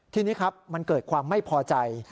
ทีนี้ครับมันเกิดความไม่พอใจ